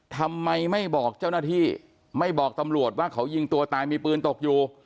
ทำไมไม่บอกเจ้าหน้าที่ไม่บอกตำรวจว่าเขายิงตัวตายมีปืนตกอยู่